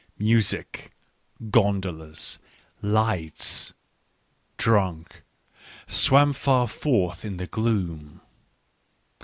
Music, gondolas, lights — Drunk, swam far forth in the gloom.